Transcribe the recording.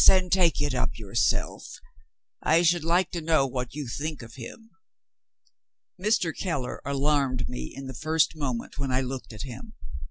And take it up yourself. I should like to know what you think of him." Mr. Keller alarmed me in the first moment when I looked at him.